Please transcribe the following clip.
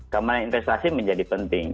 keamanan investasi menjadi penting